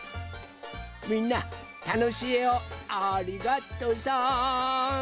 みんなたのしいえをありがとさん！